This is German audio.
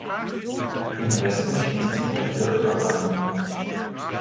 Im Westen schließt sich der Kirchturm an.